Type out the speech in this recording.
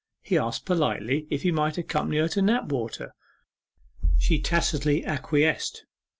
He asked politely if he might accompany her to Knapwater. She tacitly acquiesced.